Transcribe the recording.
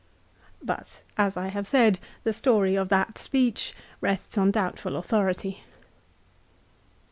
But, as I have said, the story of that speech rests on doubtful authority.